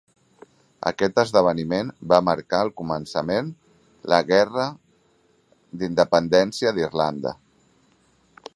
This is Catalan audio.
Aquest esdeveniment va marcar el començament la Guerra d'Independència d'Irlanda.